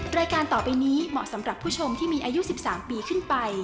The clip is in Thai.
รายการต่อไปนี้เหมาะสำหรับผู้ชมที่มีอายุ๑๓ปีขึ้นไป